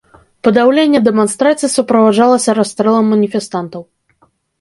Падаўленне дэманстрацый суправаджалася расстрэлам маніфестантаў.